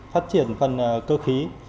phát triển phần cơ khí